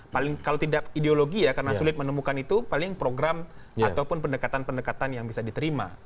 paling kalau tidak ideologi ya karena sulit menemukan itu paling program ataupun pendekatan pendekatan yang bisa diterima